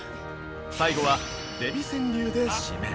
最後は、デヴィ川柳で締め。